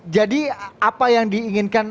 jadi apa yang diinginkan